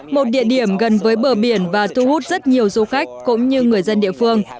một địa điểm gần với bờ biển và thu hút rất nhiều du khách cũng như người dân địa phương